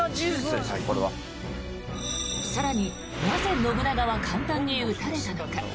更に、なぜ信長は簡単に討たれたのか？